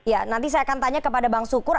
ya nanti saya akan tanya kepada bang sukur